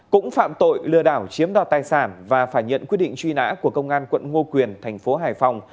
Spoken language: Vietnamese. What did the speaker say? cũng phạm tội lừa đảo chiếm đoạt tài sản và phải nhận quyết định truy nã của công an quận ngô quyền thành phố hải phòng